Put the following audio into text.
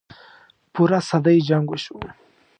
پوره صدۍ جـنګ وشو.